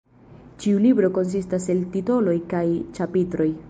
Ĉiu libro konsistas el titoloj kaj ĉapitroj.